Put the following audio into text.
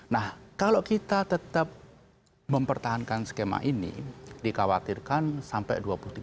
nah kalau kita tetap mempertahankan skema ini dikhawatirkan sampai dua ribu tiga puluh dua ribu tiga puluh lima